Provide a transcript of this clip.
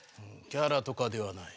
キャラとかではない。